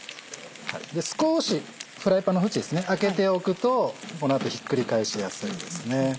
少しフライパンの縁ですね空けておくとこの後ひっくり返しやすいですね。